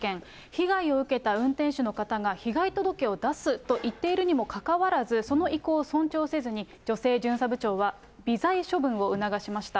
被害を受けた運転手の方が被害届を出すと言っているにもかかわらず、その意向を尊重せずに、女性巡査部長は微罪処分を促しました。